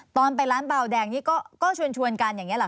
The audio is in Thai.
ตอนไปร้านเบาแดงนี่ก็ชวนกันอย่างนี้ห